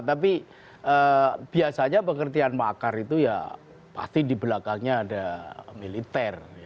tapi biasanya pengertian makar itu ya pasti di belakangnya ada militer